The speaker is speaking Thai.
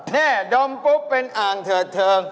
นี่ดมปุ๊บเป็นอ่างเถิดเทิง